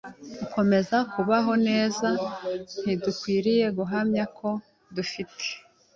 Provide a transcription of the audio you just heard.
ikomeza kubaho neza. Ntidukwiriye guhamya ko dufite